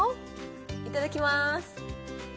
いただきます。